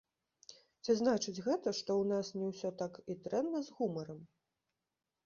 Ці значыць гэта, што ў нас не ўсё так і дрэнна з гумарам?